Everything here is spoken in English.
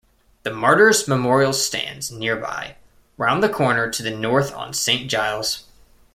The Martyrs' Memorial stands nearby, round the corner to the North on Saint Giles.